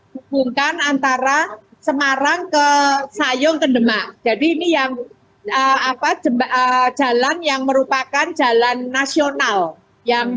hubungkan antara semarang ke sayong kendema jadi ini yang apa jebak jalan yang merupakan jalan nasional yang